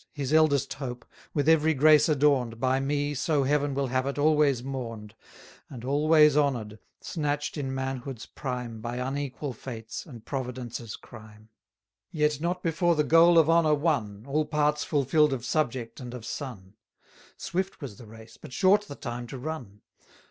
830 His eldest hope, with every grace adorn'd, By me, so Heaven will have it, always mourn'd, And always honour'd, snatch'd in manhood's prime By unequal fates, and providence's crime: Yet not before the goal of honour won, All parts fulfill'd of subject and of son: Swift was the race, but short the time to run.